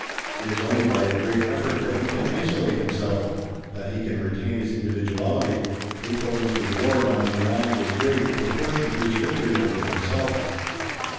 It is only by a great effort that he can isolate himself; that he can retain his individuality. Beethoven's reward on these lines was great in proportion to his victory over himself.